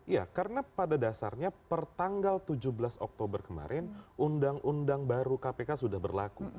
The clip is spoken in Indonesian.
ya karena pada dasarnya per tanggal tujuh belas oktober kemarin undang undang baru kpk sudah berlaku